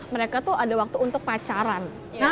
mereka tuh ada waktu untuk pacaran